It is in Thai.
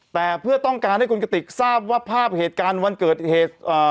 แต่เพื่อต้องการให้คุณกติกทราบว่าภาพเหตุการณ์วันเกิดเหตุ